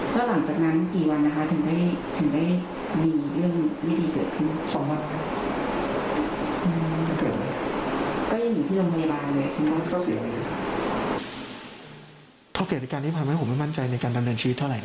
ก็หลังจากนั้นกี่วันนะคะถึงได้มีเรื่องไม่ดีเกิดขึ้น